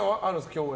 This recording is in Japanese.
共演。